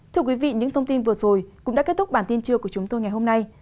thưa quý vị những thông tin vừa rồi cũng đã kết thúc bản tin trưa của chúng tôi ngày hôm nay